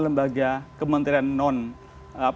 dengan dua gelas lembaga non kementerian lainnya komnas ori kppk